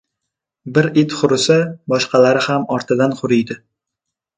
• Bir it hurisa, boshqalari ham ortidan huriydi.